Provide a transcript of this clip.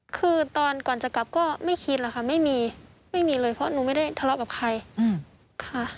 คือตอนก่อนจะกลับก็ไม่คิดหรอกค่ะไม่มีไม่มีเลยเพราะหนูไม่ได้ทะเลาะกับใครค่ะ